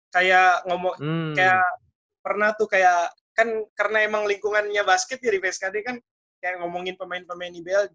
kayak ngomong kayak pernah tuh kayak kan karena emang lingkungannya basket dari vskd kan kayak ngomongin pemain pemain iblg